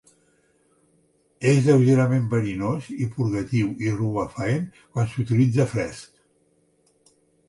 És lleugerament verinós i purgatiu i rubefaent quan s'utilitza fresc.